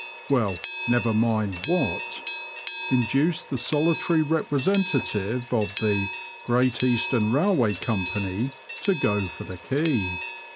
— ^well, never mind what — induced the solitary representative of the Great Eastern Railway Company to go for the key.